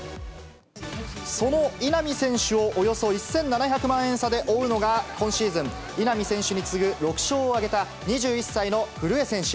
その稲見選手をおよそ１７００万円差で追うのが、今シーズン、稲見選手に次ぐ６勝を挙げた２１歳の古江選手。